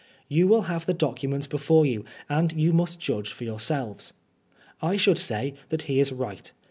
You wiU have the documents before you, and you must judge for yourselyes. I should say that he is light.